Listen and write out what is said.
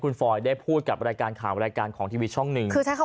คงให้พ่อกำคับคุณนะที่เป็นห่วงสวัสดีค่ะ